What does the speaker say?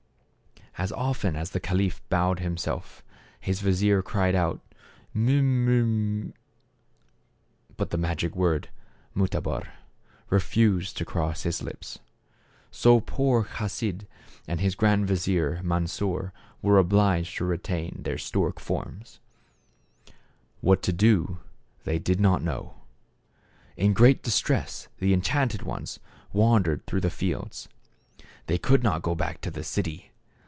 As often as the caliph bowed himself his vizier cried out " Mu mu "— But the magic word " Mutabor " refused to cross his lips. So poor Chasid and his grand vizier Mansor were obliged to retain their stork forms. THE CARAVAN. 95 What to do they did not know. In great dis tress the enchanted ones wandered through the fields. They could not go back to the city.